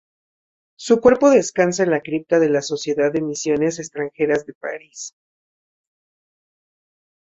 Su cuerpo descansa en la cripta de la Sociedad de misiones extranjeras de París.